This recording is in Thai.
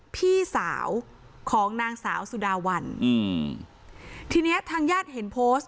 พี่สาวของนางสาวสุดาวันอืมทีเนี้ยทางญาติเห็นโพสต์